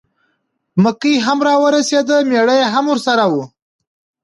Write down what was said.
مکۍ هم را ورسېده مېړه یې هم ورسره و.